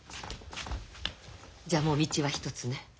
じゃあもう道は一つね。